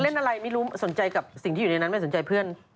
เล่นอะไรไม่รู้สนใจกับสิ่งที่อยู่ในนั้นไม่สนใจเพื่อน